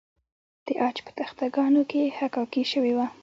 د عاج په تخته ګانو کې حکاکي شوې وه